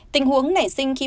tình huống nảy sinh khi